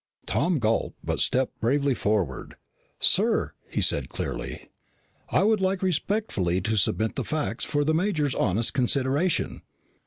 Tom gulped but stepped forward bravely. "Sir," he said clearly, "I would like respectfully to submit the facts for the major's honest consideration.